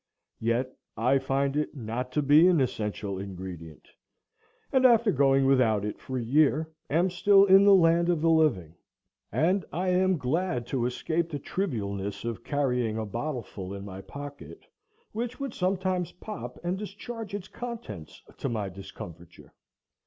Yet I find it not to be an essential ingredient, and after going without it for a year am still in the land of the living; and I am glad to escape the trivialness of carrying a bottle full in my pocket, which would sometimes pop and discharge its contents to my discomfiture.